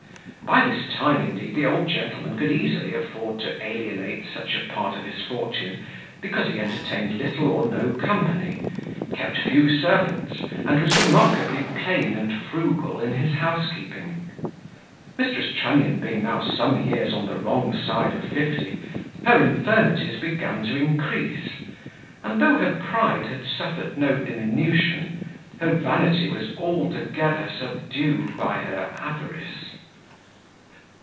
By this time, indeed, the old gentleman could easily afford to alienate such a part of his fortune, because he entertained little or no company, kept few servants, and was remarkably plain and frugal in his housekeeping. Mrs. Trunnion being now some years on the wrong side of fifty, her infirmities began to increase; and though her pride had suffered no diminution, her vanity was altogether subdued by her avarice.